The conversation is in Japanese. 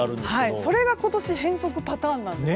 それが今年は変則パターンなんです。